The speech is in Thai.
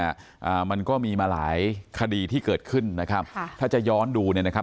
อ่ามันก็มีมาหลายคดีที่เกิดขึ้นนะครับค่ะถ้าจะย้อนดูเนี่ยนะครับ